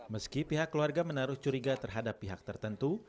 meski pihak keluarga menaruh curiga terhadap pihak tertentu